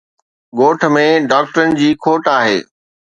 ڳوٺ ۾ ڊاڪٽرن جي کوٽ آهي